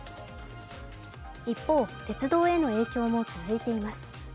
一方、鉄道への影響も続いています。